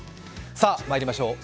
さあ、まいりましょう。